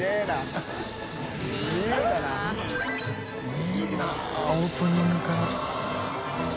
いいなオープニングから。